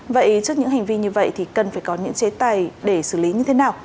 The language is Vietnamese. vậy trước những hành vi như vậy thì cần phải có những chế tài để xử lý như thế nào